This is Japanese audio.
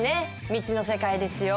未知の世界ですよ。